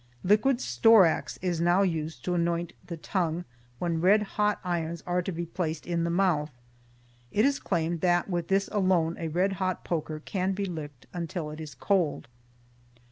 Liquid storax is now used to anoint the tongue when red hot irons are to be placed in the mouth. It is claimed that with this alone a red hot poker can be licked until it is cold.